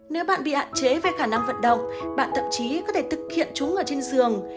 nếu bạn bị hạn chế về khả năng vận động bạn thậm chí có thể thực hiện chúng ở trên giường